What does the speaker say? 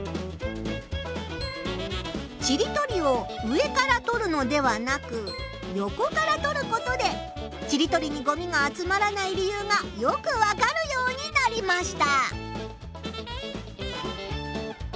ちりとりを上からとるのではなく横からとることでちりとりにごみが集まらない理由がよくわかるようになりました！